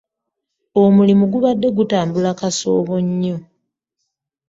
Omulimu gubadde gutambula kasoobo nnyo.